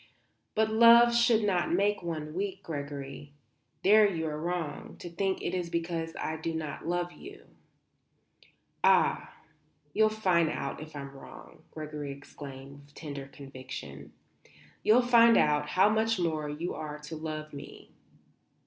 But love should not make one weak, Gregory. There you are wrong, to think it is because I do not love you." "Ah, you'll find out if I'm wrong!" Gregory exclaimed with tender conviction. "You'll find out how much more you are to love me.